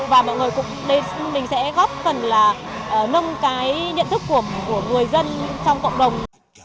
và mọi người cũng đến mình sẽ góp phần là nâng cái nhận thức của người dân trong cộng đồng